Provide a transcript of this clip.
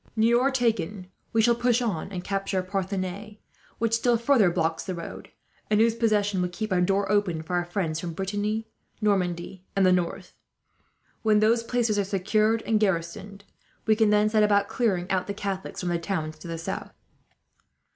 Niort taken, we shall push on and capture Parthenay, which still further blocks the road, and whose possession will keep a door open for our friends from Brittany, Normandy, and the north. When those places are secured and garrisoned, we can then set about clearing out the Catholics from the towns to the south."